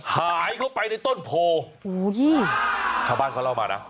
หายเข้าไปในต้นโพโอ้โหชาวบ้านเขาเล่ามานะ